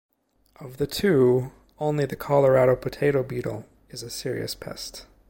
Of the two, only the Colorado potato beetle is a serious pest.